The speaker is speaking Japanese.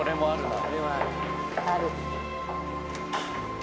ある。